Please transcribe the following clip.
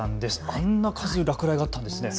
あんな数、落雷があったんですね。